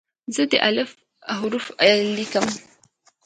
زه د "الف" حرف لیکم.